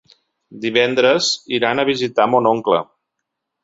Divendres iran a visitar mon oncle.